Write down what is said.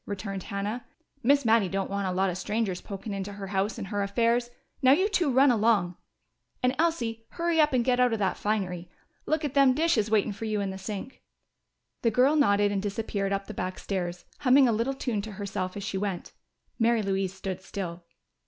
returned Hannah. "Miss Mattie don't want a lot of strangers pokin' into her house and her affairs. Now, you two run along! And, Elsie, hurry up and get out of that finery. Look at them dishes waitin' fer you in the sink!" The girl nodded and disappeared up the back stairs, humming a little tune to herself as she went. Mary Louise stood still.